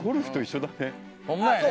ほんまやね。